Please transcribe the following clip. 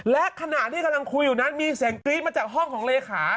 และขณะที่กำลังคุยอยู่นั้นมีเสียงกรี๊ดมาจากห้องของเลขา